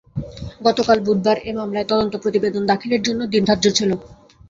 গতকাল বুধবার এ মামলায় তদন্ত প্রতিবেদন দাখিলের জন্য দিন ধার্য ছিল।